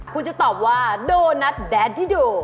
คุณจะตอบว่าโดนัทแดนที่โด